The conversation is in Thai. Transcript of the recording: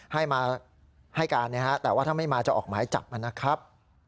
ให้มาให้การแต่ว่าถ้าไม่มาจะออกหมายจับนะครับ